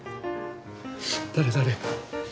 誰誰？